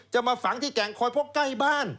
มาฝังที่แก่งคอยเพราะใกล้บ้าน